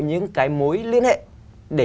những cái mối liên hệ để